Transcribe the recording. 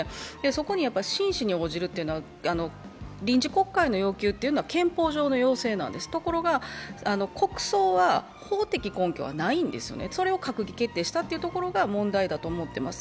そこに真摯に応じるというのは、臨時国会の要求というのは憲法上の要請なんです、ところが立法は法的根拠はないんですよね、それを閣議決定したところが問題だと思っています。